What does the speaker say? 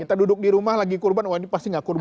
kita duduk di rumah lagi kurban wah ini pasti gak kurban